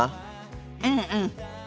うんうん。